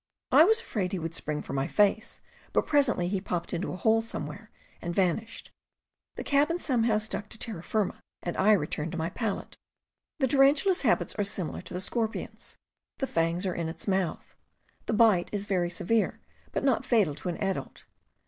I was afraid he would spring for my face, but presently he popped into a hole somewhere, and vanished. The cabin somehow stuck to terra firma, and I returned to my pallet. The tarantula's habits are similar to the scorpion's. The fangs are in its mouth. The bite is very severe, but not fatal to an adult.